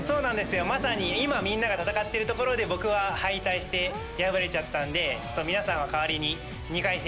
まさに今みんなが戦っている所で僕は敗退して破れちゃったんで皆さんは代わりに。